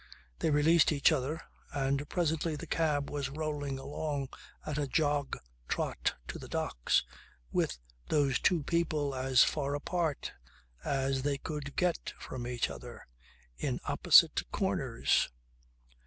They released each other and presently the cab was rolling along at a jog trot to the docks with those two people as far apart as they could get from each other, in opposite corners.